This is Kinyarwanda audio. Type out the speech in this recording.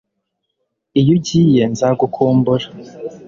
Iyo ugiye nzagukumbura